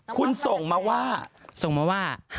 คุณส่งมาว่า